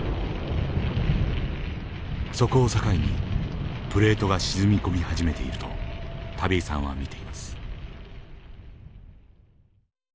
そこを境にプレートが沈み込み始めていると田部井さんは見ています。